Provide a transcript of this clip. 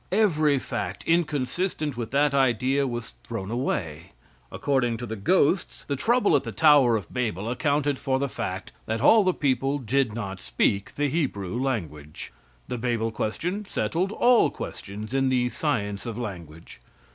Every fact inconsistent with that idea was thrown away. According to the ghosts, the trouble at the Tower of Babel accounted for the fact that all the people did not speak the Hebrew language. The Babel question settled all questions in the science of language.